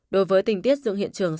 đối với tình tiết dựng hiện trường